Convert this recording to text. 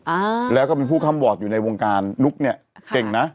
อ่าแล้วก็เป็นผู้ค่ำวอร์ดอยู่ในวงการนุ๊กเนี่ยเก่งนะ